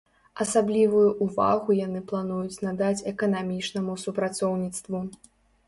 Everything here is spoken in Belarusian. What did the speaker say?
Асаблівую ўвагу яны плануюць надаць эканамічнаму супрацоўніцтву.